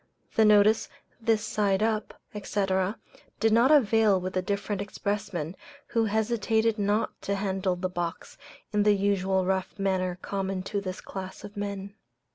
The notice, "This side up, &c.," did not avail with the different expressmen, who hesitated not to handle the box in the usual rough manner common to this class of men.